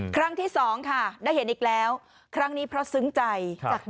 ครั้งที่สองค่ะได้เห็นอีกแล้วครั้งนี้เพราะซึ้งใจ